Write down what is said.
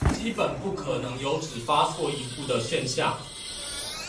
基本不可能有只發錯一戶的現象